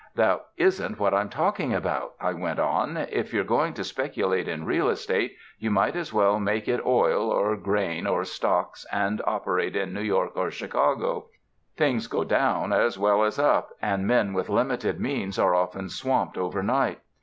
"That isn't what I'm talking about," I went on, *'if you're going to speculate in real estate, you might as well make it oil or grain or stocks and operate in New York or Chicago. Things go down as well as up, and men with limited means are often swamped over night.